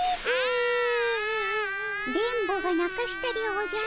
電ボがなかしたでおじゃる。